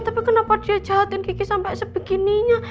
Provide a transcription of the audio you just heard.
tapi kenapa dia jahatin gigi sampai sebegininya